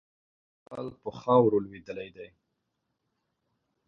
احمد سږ کال پر خاورو لوېدلی دی.